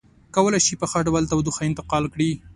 کولی شي په ښه ډول تودوخه انتقال کړي.